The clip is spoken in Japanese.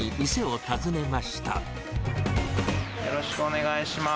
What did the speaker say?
よろしくお願いします。